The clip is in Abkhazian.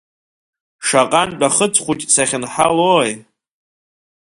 Шаҟантә ахыц хәыҷ сахьынҳалои?